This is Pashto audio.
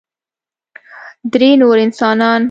درې نور انسانان